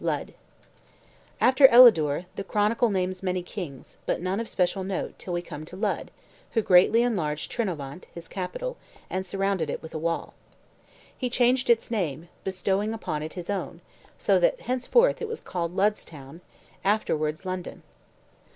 LUD After Elidure, the Chronicle names many kings, but none of special note, till we come to Lud, who greatly enlarged Trinovant, his capital, and surrounded it with a wall. He changed its name, bestowing upon it his own, so that henceforth it was called Lud's town, afterwards London.